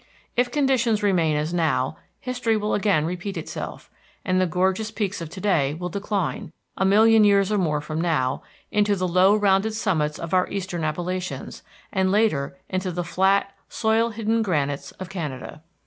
If conditions remain as now, history will again repeat itself, and the gorgeous peaks of to day will decline, a million years or more from now, into the low rounded summits of our eastern Appalachians, and later into the flat, soil hidden granites of Canada.